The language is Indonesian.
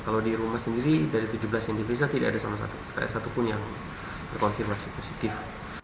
kalau di rumah sendiri dari tujuh belas yang diperiksa tidak ada sama sekali satupun yang terkonfirmasi positif